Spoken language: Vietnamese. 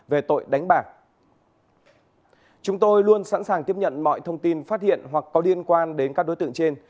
về tội đánh bạc chúng tôi luôn sẵn sàng tiếp nhận mọi thông tin phát hiện hoặc có liên quan đến các đối tượng trên